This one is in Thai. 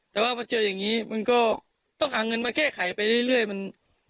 แต่ว่าพอเจออย่างนี้มันก็ต้องหาเงินมาแก้ไขไปเรื่อยมัน